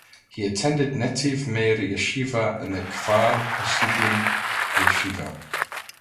He attended Netiv Meir Yeshiva and the Kfar Hasidim Yeshiva.